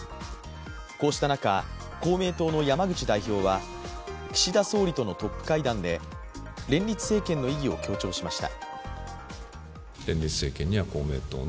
こうした中、公明党の山口代表は岸田総理とのトップ会談で連立政権の意義を強調しました。